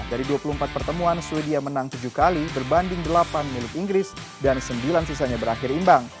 dari dua puluh empat pertemuan sweden menang tujuh kali berbanding delapan milik inggris dan sembilan sisanya berakhir imbang